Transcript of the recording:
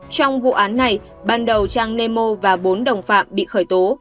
trong vụ án này ban đầu trang nemo và bốn đồng phạm bị khởi tố